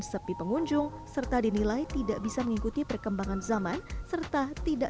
sepi pengunjung serta dinilai tidak bisa mengikuti perkembangan zaman serta tidak